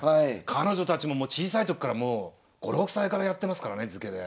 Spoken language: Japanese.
彼女たちももう小さい時からもう５６歳からやってますからね漬けで。